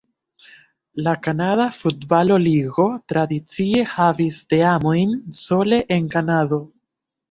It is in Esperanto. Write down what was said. La Kanada Futbalo-Ligo tradicie havis teamojn sole en Kanado.